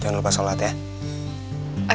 jangan lupa sholat ya